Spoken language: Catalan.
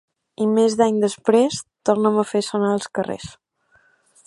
I més d'any després... tornem a fer sonar els carrers!